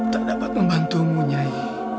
tak dapat membantumu nyai